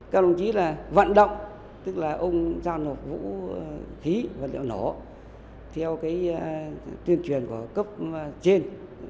các đồng chí là vận động tức là ông giao nộp vũ khí vật liệu nổ theo cái tuyên truyền của cấp trên